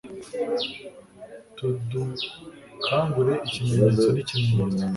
T udukangure ikimenyetso nikimenyetso